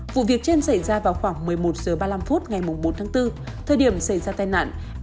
vụ việc trên xảy ra vào khoảng một mươi một h ba mươi năm phút ngày bốn tháng bốn thời điểm xảy ra tai nạn